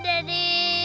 bangun bunda dari